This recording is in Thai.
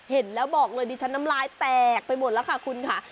เห็นแล้วบอกเลยดิฉันน้ำลายแตกไปหมดแล้วค่ะคุณค่ะ